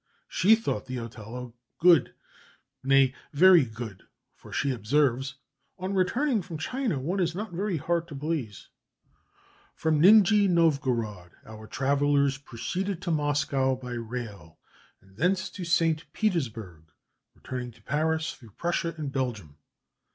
She thought the Othello good, nay, very good, for, she observes, "On returning from China one is not very hard to please." From Nijni Novgorod our travellers proceeded to Moscow by rail, and thence to St. Petersburg, returning to Paris through Prussia and Belgium.